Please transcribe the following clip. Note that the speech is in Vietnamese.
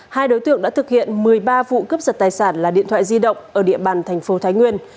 hai đối tượng đã thực hiện một mươi ba vụ cướp giật tài sản là điện thoại di động ở địa bàn thành phố thái nguyên